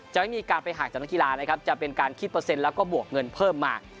ไม่มีการไปห่างจากนักกีฬานะครับจะเป็นการคิดเปอร์เซ็นต์แล้วก็บวกเงินเพิ่มมาก